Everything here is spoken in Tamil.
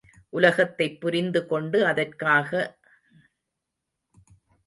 உலகத்தைப் புரிந்து கொண்டு அதற்குத்தக ஒழுகுதல் என்பதே பொருள்.